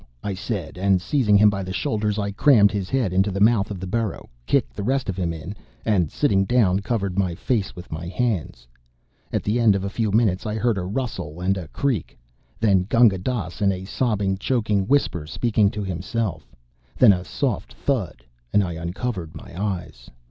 I said, and, seizing him by the shoulders, I crammed his head into the mouth of the burrow, kicked the rest of him in, and, sitting down, covered my face with my hands. At the end of a few minutes I heard a rustle and a creak; then Gunga Dass in a sobbing, choking whisper speaking to himself; then a soft thud and I uncovered my eyes.